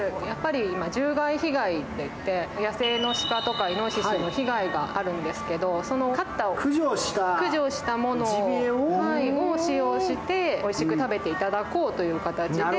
今、獣害被害といって、野生のイノシシや鹿の被害があるんですけど、その駆除したものを使用して、おいしく食べていただこうという形で。